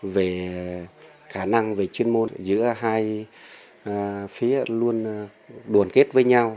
về khả năng về chuyên môn giữa hai phía luôn đoàn kết với nhau